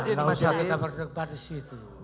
sebentar gak usah kita berdekat di situ